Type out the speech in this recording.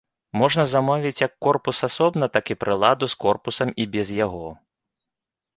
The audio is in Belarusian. Можна замовіць як корпус асобна, так і прыладу з корпусам і без яго.